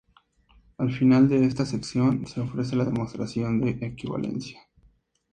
Al final de esta sección se ofrece la demostración de equivalencia.